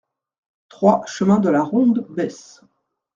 trois chemin de la Ronde Besse